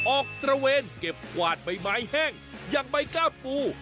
ตระเวนเก็บกวาดใบไม้แห้งอย่างใบก้าปู